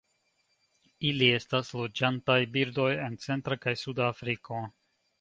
Ili estas loĝantaj birdoj en centra kaj suda Afriko.